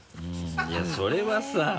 いやそれはさ。